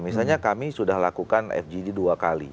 misalnya kami sudah lakukan fgd dua kali